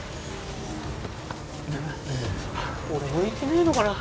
俺向いてねえのかな。